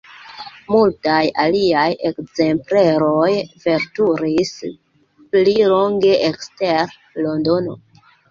Multaj aliaj ekzempleroj veturis pli longe ekster Londono.